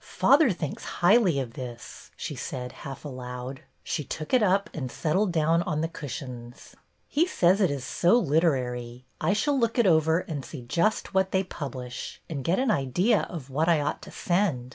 Father thinks highly of this," she said half aloud. She took it up and settled down on the cushions. '' He says it is so literary. I shall look it over and see just what they publish, and get an idea of what I ought to send.